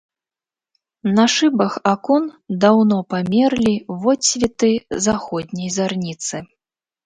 На шыбах акон даўно памерлі водсветы заходняй зарніцы.